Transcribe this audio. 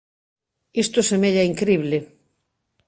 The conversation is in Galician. Isto semella incrible